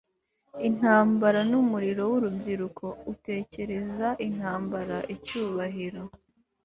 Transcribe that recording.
intambara n'umuriro w'urubyiruko utekereza intambara icyubahiro